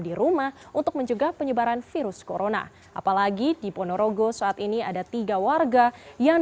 di rumah untuk menjaga penyebaran virus corona apalagi di ponorogo saat ini ada tiga warga yang